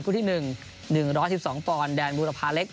คู่ที่หนึ่ง๑๑๒ปอนแดนบุรพาเล็ก